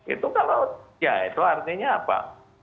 itu kalau ya itu artinya apa